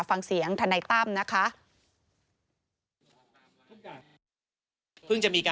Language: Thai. ฟังเสียงธนัยตั้มนะคะ